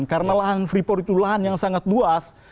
karena lahan freeport itu lahan yang sangat luas